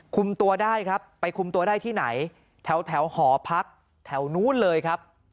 คุมตัวได้ครับไปคุมตัวได้ที่ไหนแถวหอพักแถวนู้นเลยครับ